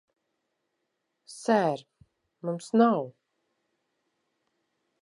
Ser, mums nav...